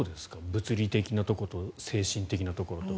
物理的なところと精神的なところと。